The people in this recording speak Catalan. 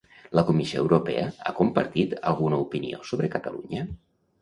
La Comissió Europea ha compartit alguna opinió sobre Catalunya?